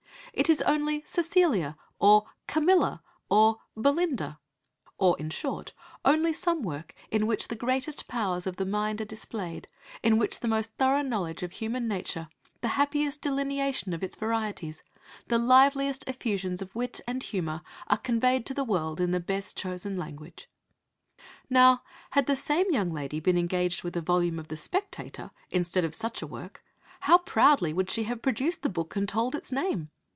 'It is only Cecilia, or Camilla, or Belinda;' or, in short, only some work in which the greatest powers of the mind are displayed, in which the most thorough knowledge of human nature, the happiest delineation of its varieties, the liveliest effusions of wit and humour, are conveyed to the world in the best chosen language. Now, had the same young lady been engaged with a volume of the Spectator, instead of such a work, how proudly would she have produced the book, and told its name!